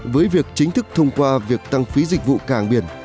với việc chính thức thông qua việc tăng phí dịch vụ càng biển